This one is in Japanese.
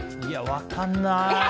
分かんない。